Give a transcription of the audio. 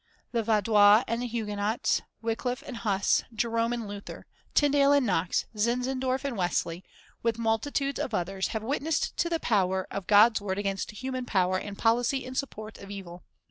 The Vaudois and the Huguenots, Wycliffe and Huss, Jerome and Luther, Tyndale and Knox, Zinzendorf and Wesley, with multitudes of others, have witnessed to the power of God's word against human power and policy in support of evil.